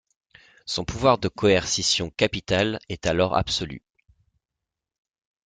Son pouvoir de coercition capitale est alors absolu.